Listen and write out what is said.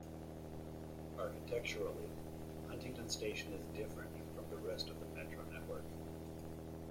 Architecturally, Huntington station is different from the rest of the Metro network.